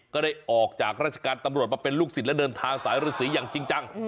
ก็ได้ออกจากราชการตำรวจมาเป็นลูกศิษย์และเดินทางสายฤษีอย่างจริงจัง